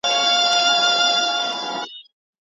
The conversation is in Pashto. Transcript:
احمد شاه ابدالي څنګه د سیاسي باور فضا رامنځته کړه؟